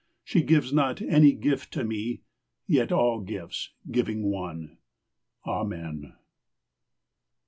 She gives not any gift to me Yet all gifts, giving one.... Amen.